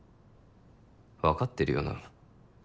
分かってるよな。